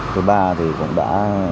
thứ ba thì cũng đã